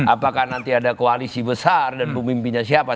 apakah nanti ada koalisi besar dan pemimpinnya siapa